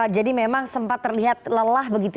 jadi memang sempat terlihat lelah begitu